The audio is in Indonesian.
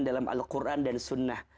dalam al quran dan sunnah